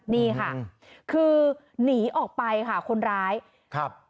นี่ค่ะคือหนีออกไปค่ะคนร้ายครับ